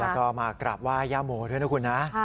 แล้วก็มากราบไหว้ย่าโมด้วยนะคุณนะ